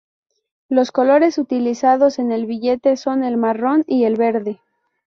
Los colores utilizados en el billete son el marrón y el verde.